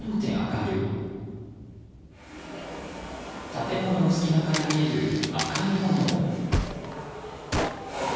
建物の隙間から見える赤い炎。